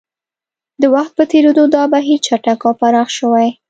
د وخت په تېرېدو دا بهیر چټک او پراخ شوی